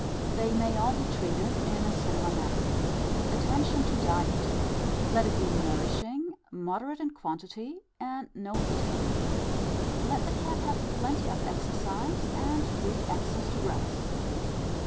They may all be treated in a similar manner. Attention to diet: let it be nourishing, moderate in quantity, and not heating. Let the cat have plenty of exercise and free access to grass.